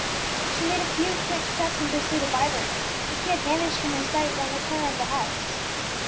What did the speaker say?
She made a few quick steps in pursuit of Vibert; but he had vanished from her sight round the corner of the house.